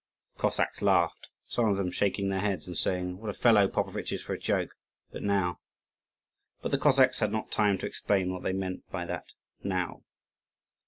The Cossacks laughed, some of them shaking their heads and saying, "What a fellow Popovitch is for a joke! but now " But the Cossacks had not time to explain what they meant by that "now."